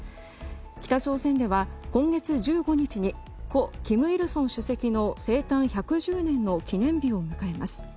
北朝鮮では今月１５日に故・金日成主席の生誕１１０年の記念日を迎えます。